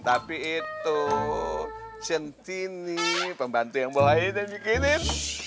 tapi itu centini pembantu yang boleh itu bikinin